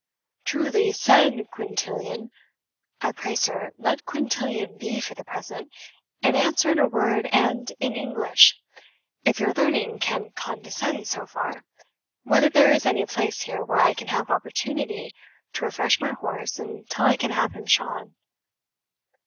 Truly said Quintilian " "I pray, sir, let Quintilian be for the present, and answer, in a word and in English, if your learning can condescend so far, whether there is any place here where I can have opportunity to refresh my horse until I can have him shod?"